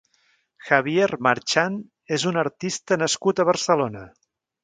Javier Marchán és un artista nascut a Barcelona.